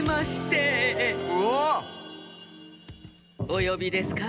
およびですか？